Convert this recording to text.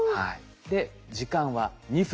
で時間は２分。